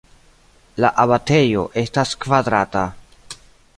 La abatejo estas kvadrata.